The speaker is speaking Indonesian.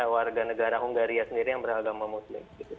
warga negara hungaria sendiri yang beragama muslim